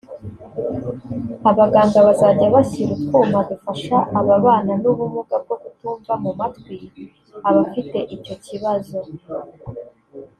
abaganga bazajya bashyira utwuma dufasha ababana n’ubumuga bwo kutumva mu matwi abafite icyo kibazo